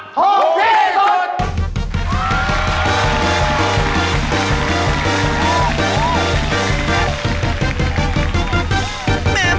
ถูกดิจทุกท่อง